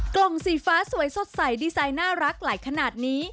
กล่องสีฟ้าสวยสดใสดีไซน์น่ารักหลายขนาดนี้